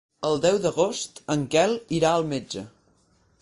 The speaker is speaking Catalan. El deu d'agost en Quel irà al metge.